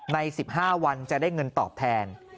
ใน๑๕วันจะได้เงินตอบแทน